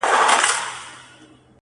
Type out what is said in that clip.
شپه په امېد سبا کېږي.